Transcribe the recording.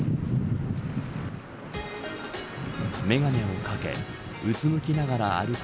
眼鏡をかけうつむきながら歩く